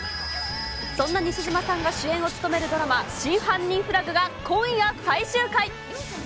そんな西島さんが主演を務めるドラマ、真犯人フラグが今夜最終回。